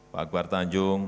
pak akbar tanjung